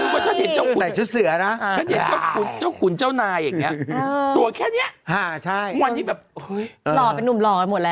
เกิดทุกคนพูดครับว่าเจ้าคุณุ่นยากตัวเขนอยู่ที่ภูมิตา